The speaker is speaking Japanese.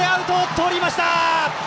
とりました！